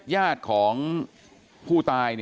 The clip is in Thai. คือยาดของผู้ตาย